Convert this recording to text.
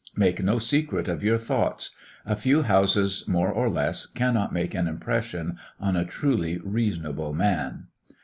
Make no secret of your thoughts. A few houses more or less cannot make an impression on a truly reasonable man!